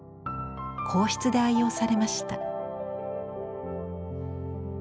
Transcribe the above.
皇室で愛用されました。